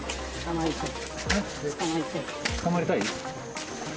捕まりたい？